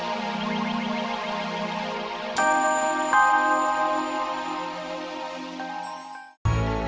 ehh ilatan tidung kai